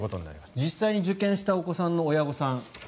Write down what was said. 実際に受験したお子さんの親御さん。